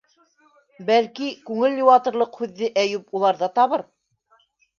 Бәлки, күңел йыуатырлыҡ һүҙҙе Әйүп уларҙа табыр?